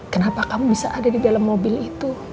kenapa kamu bisa ada di dalam mobil itu